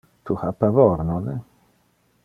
Tu ha pavor, nonne?